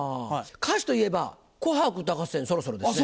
歌手といえば『紅白歌合戦』そろそろですね。